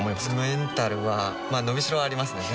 メンタルはま伸びしろはありますね